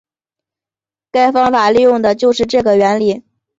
该方法利用的就是这个原理。